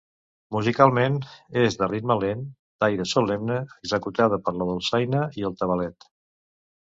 Musicalment, és de ritme lent, d'aire solemne, executada per la dolçaina i el tabalet.